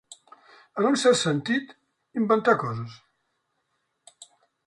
En un cert sentit, inventar coses.